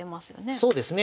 そうですね。